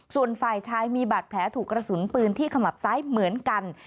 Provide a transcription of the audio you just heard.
ส่วนฝ่ายชายมีบาดแผลถูกกระสุนปืนที่ขมับซ้ายเหมือนกัน